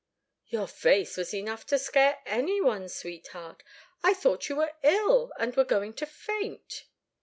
"Your face was enough to scare any one, sweetheart. I thought you were ill and were going to faint."